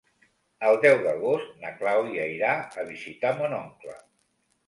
El deu d'agost na Clàudia irà a visitar mon oncle.